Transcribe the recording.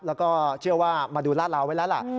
แล้วก็เชื่อว่ามาดูลาดราวไว้แล้วล่ะ